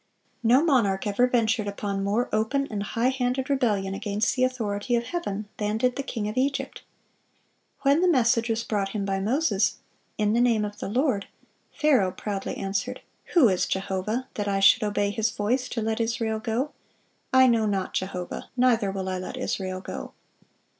No monarch ever ventured upon more open and high handed rebellion against the authority of Heaven than did the king of Egypt. When the message was brought him by Moses, in the name of the Lord, Pharaoh proudly answered, "Who is Jehovah, that I should obey His voice to let Israel go? I know not Jehovah, neither will I let Israel go."